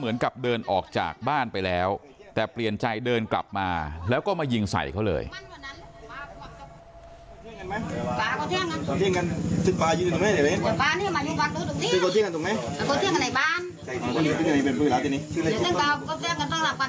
เมื่อครบ๑๒กรุงพาพันธ์ที่ผ่านมาวันนั้นนางสาวถมณวันได้พาลูกชายไปเยี่ยมยาติน้ำ